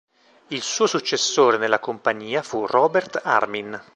Il suo successore nella compagnia fu Robert Armin.